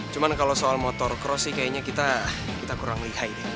cuma kalau soal motor cross sih kayaknya kita kurang lihai deh